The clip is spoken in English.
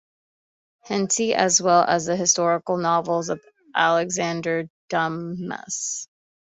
Henty, as well as the historical novels of Alexandre Dumas.